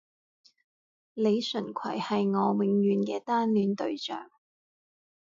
李純揆係我永遠嘅單戀對象